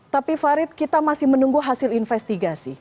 tapi farid kita masih menunggu hasil investigasi